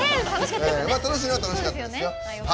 楽しいのは楽しかったですよ。